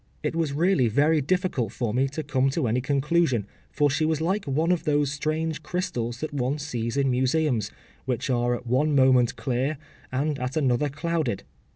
It was really very difficult for me to come to any conclusion, for she was like one of those strange crystals that one sees in museums, which are at one moment clear, and at another clouded.